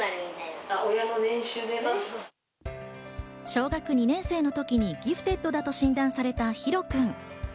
小学２年生の時にギフテッドだと診断されたヒロくん。